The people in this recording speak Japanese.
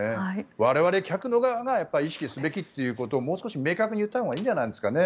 我々、客の側が意識すべきということをもう少し明確に言ったほうがいいんじゃないですかね。